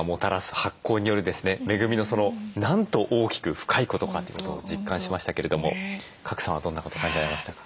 恵みのそのなんと大きく深いことかということを実感しましたけれども賀来さんはどんなことを感じられましたか？